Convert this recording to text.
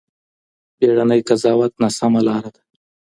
بېړنی قضاوت ناسمه لار ده.